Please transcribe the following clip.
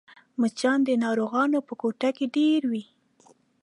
مچان د ناروغانو په کوټه کې ډېر وي